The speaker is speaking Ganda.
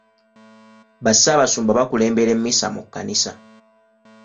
Bassaabasumba bakulembera emmisa mu kkanisa.